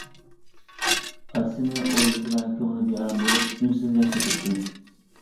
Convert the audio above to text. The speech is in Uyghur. ئاتىسىنى ئويلىسىلا كۆڭلى بىئارام بولۇپ ئۈنسىز ياش تۆكەتتى.